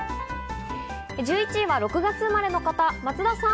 １１位は６月生まれの方、松田さん。